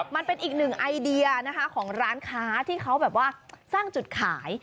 มันเป็นอีกหนึ่งไอเดียนะคะของร้านค้าที่เขาแบบว่าสร้างจุดขาย